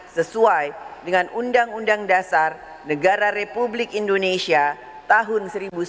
sesuai dengan undang undang dasar negara republik indonesia tahun seribu sembilan ratus empat puluh lima